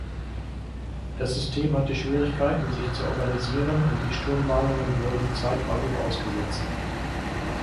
Das System hatte Schwierigkeiten, sich zu organisieren und die Sturmwarnungen wurden zeitweilig ausgesetzt.